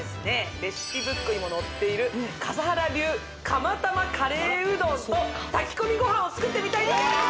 レシピブックにも載っている笠原流釜玉カレーうどんと炊き込みご飯を作ってみたいと思います